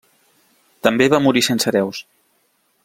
També va morir sense hereus.